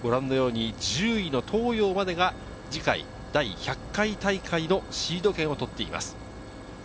１０位の東洋までが次回、第１００回大会のシード権を取っています。